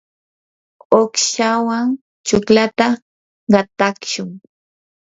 uqshawan chuklata qatashun.